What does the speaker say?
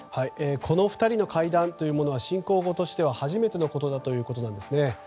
この２人の会談は侵攻後としては初めてのことだということなんですね。